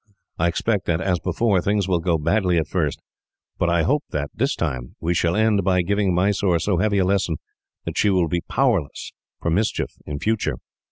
I expect that, as before, things will go badly at first; but hope that, this time, we shall end by giving Mysore so heavy a lesson that she will be powerless for mischief, in future."